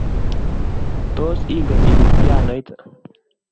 Tos, ingen ipiir pianoit?